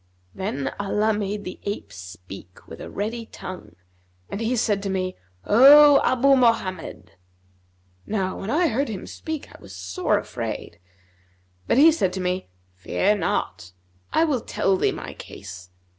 Then Allah made the ape speak with a ready tongue, and he said to me, 'O Abu Mohammed!' Now when I heard him speak, I was sore afraid; but he said to me, 'Fear not; I will tell thee my case.